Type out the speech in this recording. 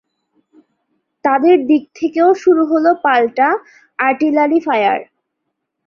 তাদের দিক থেকেও শুরু হলো পাল্টা আর্টিলারি ফায়ার।